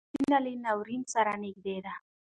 سیمه له ناورین سره نږدې ده.